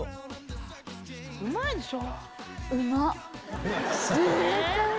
うまいでしょ？